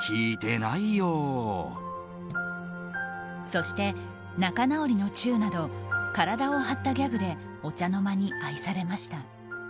そして、仲直りのチューなど体を張ったギャグでお茶の間に愛されました。